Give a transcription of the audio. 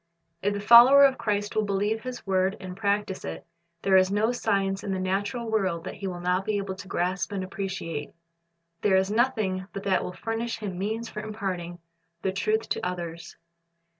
If the follower of Christ will believe His word and practise it, there is no science in the natural world that he will not be able to grasp and appreciate. There is nothing but that will furnish him means for imparting the truth to others.